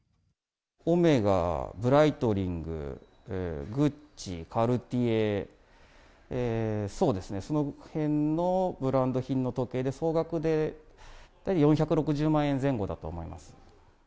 オメガ、ブライトリング、グッチ、カルティエ、そうですね、そのへんのブランド品の時計で、総額で４６０万円前後だと思います。